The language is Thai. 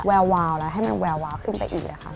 แวววาวแล้วให้มันแวววาขึ้นไปอีกเลยค่ะ